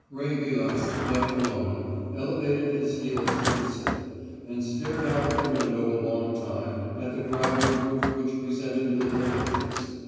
Ray Vilas, left alone, elevated his heels to the sill, and stared out of the window a long time at a gravelled roof which presented little of interest.